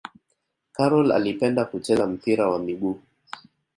Karol alipenda kucheza mpira wa miguu